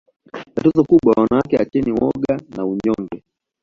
Tatizo kubwa wanawake acheni woga na unyonge